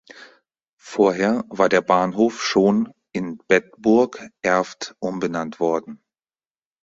Vorher war der Bahnhof schon in "Bedburg (Erft)" umbenannt worden.